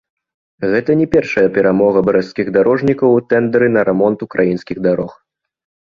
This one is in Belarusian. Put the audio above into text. Гэта не першая перамога брэсцкіх дарожнікаў у тэндэры на рамонт украінскіх дарог.